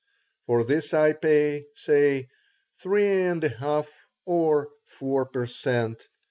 For this I pay, say, three and a half or four per cent.